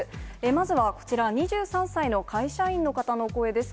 まずはこちら、２３歳の会社員の方のお声です。